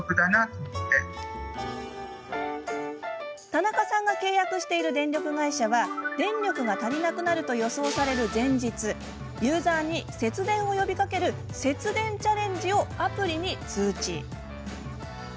田中さんが契約している電力会社は電力が足りなくなると予想される前日ユーザーに節電を呼びかける節電チャレンジをアプリに通知。